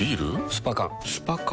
スパ缶スパ缶？